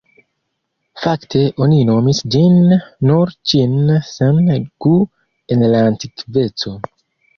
Fakte oni nomis ĝin nur ĉin sen gu en la antikveco.